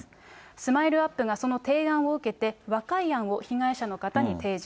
スマイルアップがその提案を受けて、和解案を被害者の方に提示。